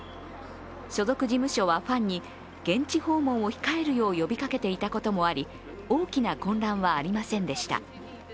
所属事務所はファンに、現地訪問を控えるよう呼びかけていたこともあり、大きな混乱はありませんでした。